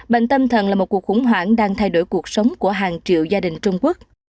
bệnh tâm thần là một cuộc khủng hoảng đang thay đổi cuộc sống của hàng triệu gia đình trung quốc